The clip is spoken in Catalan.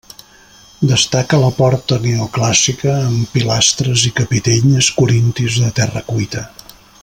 Destaca la porta neoclàssica amb pilastres i capitells corintis de terra cuita.